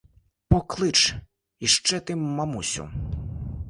Поклич іще ти мамусю.